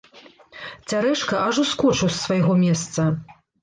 Цярэшка аж ускочыў з свайго месца.